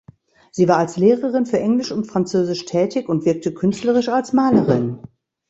Sie war als Lehrerin für Englisch und Französisch tätig und wirkte künstlerisch als Malerin.